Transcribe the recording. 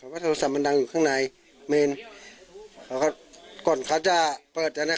เขาบอกว่าโทรศัพท์มันดังอยู่ข้างในเมนเขาก่อนเขาจะเปิดอย่างนั้น